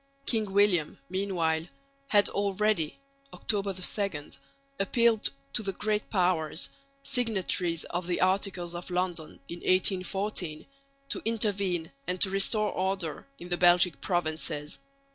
King William meanwhile had already (October 2) appealed to the Great Powers, signatories of the Articles of London in 1814, to intervene and to restore order in the Belgic provinces.